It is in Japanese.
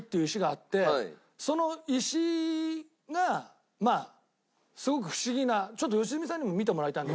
その石がまあすごく不思議なちょっと良純さんにも見てもらいたいんだけど。